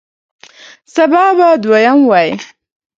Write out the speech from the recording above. سبا به دویم وی